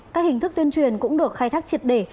các hình thức tuyên truyền cũng được khai thác triệt để